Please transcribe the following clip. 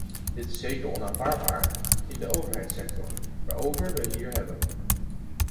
Dit is zeker onaanvaardbaar in de overheidssector, waarover we hier hebben.